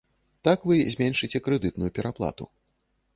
Так вы зменшыце крэдытную пераплату.